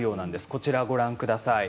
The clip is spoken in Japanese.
こちらをご覧ください。